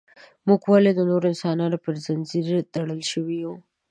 موږ ولې د نورو انسانانو پر زنځیر تړل شوي یو.